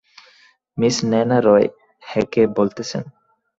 Miss Nayna Roy হ্যাঁঁ কে বলতেছেন?